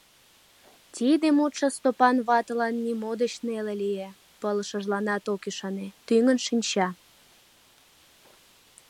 Тиде мутшо Стопан ватылан нимо деч неле лие, пылышланжат ок ӱшане, тӱҥын шинча.